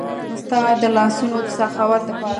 ستا د لاسونو د سخاوت د پاره